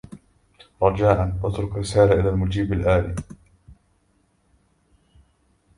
رجاء اترك رسالة على المجيب الآلي.